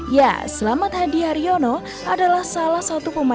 ya selamat hadi haryono adalah salah satu pemain